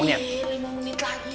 lima menit lagi